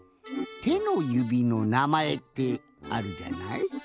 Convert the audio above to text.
ての指のなまえってあるじゃない？